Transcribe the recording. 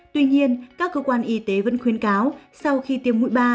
tuy nhiên các cơ quan y tế vẫn khuyến cáo sau khi tiêm mũi ba